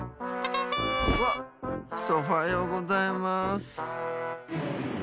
わっソファようございます！